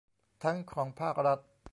ทั้งของภาครัฐ